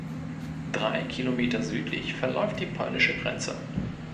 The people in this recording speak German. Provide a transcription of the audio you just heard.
Drei Kilometer südlich verläuft die polnische Grenze.